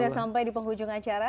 sampai di penghujung acara